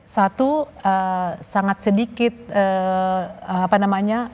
satu sangat sedikit apa namanya